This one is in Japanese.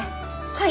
はい。